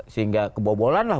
sehingga kebobolan lah